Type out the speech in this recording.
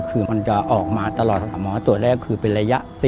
คือมันจะออกมาตลอด๓ม้อตัวแรกคือเป็นระยะ